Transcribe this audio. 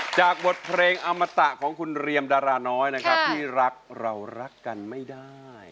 จากบทเพลงอมตะของคุณเรียมดาราน้อยนะครับที่รักเรารักกันไม่ได้